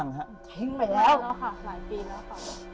แล้วค่ะหลายปีแล้วค่ะ